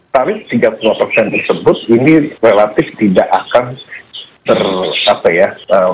tarif tiga puluh tersebut ini relatif tidak akan ter apa ya memiliki dampak yang signifikan terhadap penurunan kesimpangan